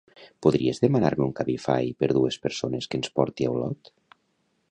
Podries demanar-me un Cabify per dues persones que ens porti a Olot?